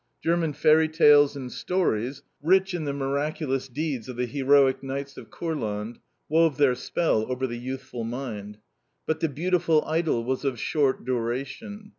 German fairy tales and stories, rich in the miraculous deeds of the heroic knights of Kurland, wove their spell over the youthful mind. But the beautiful idyl was of short duration.